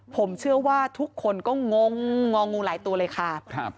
ผมเชื่อว่าทุกคนก็งงองูหลายตัวเลยค่ะ